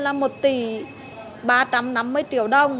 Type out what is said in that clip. là một tỷ ba trăm năm mươi triệu đồng